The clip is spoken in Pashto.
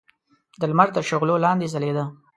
د لمر تر شغلو لاندې ځلېده.